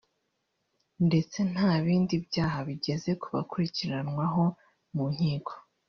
ndetse nta n’ibindi byaha bigeze bakurikiranwaho mu nkiko